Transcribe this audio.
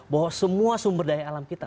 bahwa semua sumber daya alam kita